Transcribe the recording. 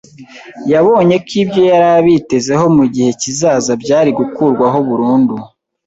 Yabonye ko ibyo yari abitezeho mu gihe kizaza byari gukurwaho burundu.